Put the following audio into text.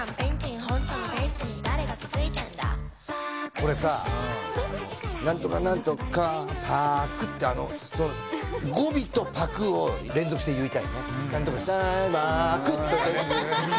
これさ何とか何とかパクって語尾とパクを連続して言いたいね。